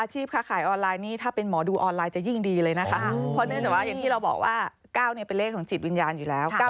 เห็นที่เราบอกว่า๙เป็นเลขของจิตวิญญาณอยู่แล้ว